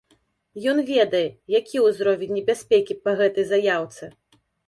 Ён ведае, які ўзровень небяспекі па гэтай заяўцы.